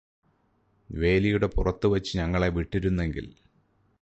വേലിയുടെ പുറത്ത് വച്ച് ഞങ്ങളെ വിട്ടിരുന്നെങ്കില്